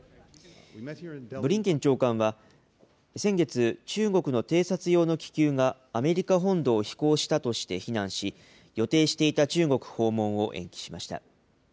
ブリンケン長官は先月、中国の偵察用の気球がアメリカ本土を飛行したとして非難し、予定していた中国訪問を延期しました。